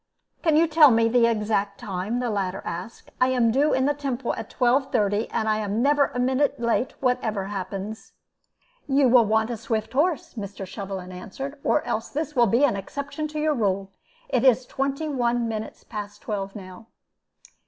"Can you tell me the exact time?" the latter asked. "I am due in the Temple at 12.30, and I never am a minute late, whatever happens." "You will want a swift horse," Mr. Shovelin answered, "or else this will be an exception to your rule. It is twenty one minutes past twelve now."